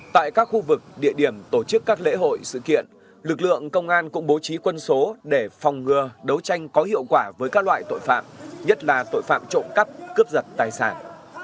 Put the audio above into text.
tại các khu vực địa điểm tổ chức các lễ hội sự kiện lực lượng công an cũng bố trí quân số để phòng ngừa đấu tranh có hiệu quả với các loại tội phạm nhất là tội phạm trộm cắp cướp giật tài sản